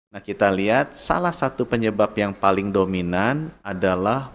nah kita lihat salah satu penyebab yang paling dominan adalah